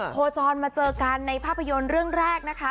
โคจรมาเจอกันในภาพยนตร์เรื่องแรกนะคะ